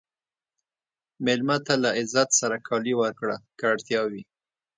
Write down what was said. مېلمه ته له عزت سره کالي ورکړه که اړتیا وي.